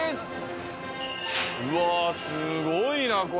うわすごいなこれ。